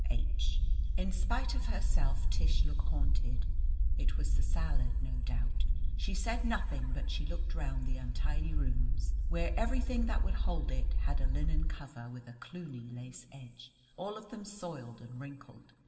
H. In spite of herself, Tish looked haunted. It was the salad, no doubt. She said nothing, but she looked round the untidy rooms, where everything that would hold it had a linen cover with a Cluny lace edge all of them soiled and wrinkled.